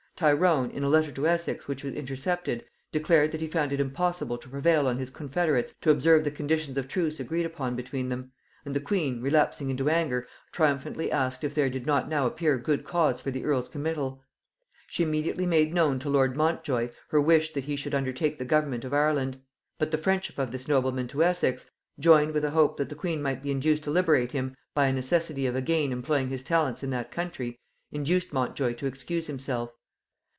Tyrone, in a letter to Essex which was intercepted, declared that he found it impossible to prevail on his confederates to observe the conditions of truce agreed upon between them; and the queen, relapsing into anger, triumphantly asked if there did not now appear good cause for the earl's committal? She immediately made known to lord Montjoy her wish that he should undertake the government of Ireland; but the friendship of this nobleman to Essex, joined with a hope that the queen might be induced to liberate him by a necessity of again employing his talents in that country, induced Montjoy to excuse himself.